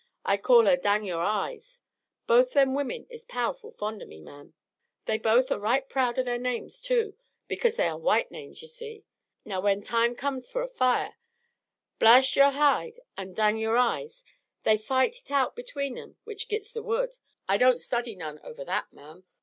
I call her Dang Yore Eyes. Both them women is powerful fond o' me, ma'am. They both are right proud o' their names, too, because they air white names, ye see. Now when time comes fer a fire, Blast Yore Hide an' Dang Yore Eyes, they fight hit out between 'em which gits the wood. I don't study none over that, ma'am."